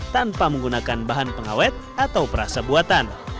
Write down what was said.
tanpa menggunakan bahan pengawet atau perasa buatan